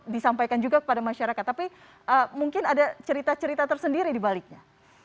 disampaikan juga kepada masyarakat tapi mungkin ada cerita cerita tersendiri dibaliknya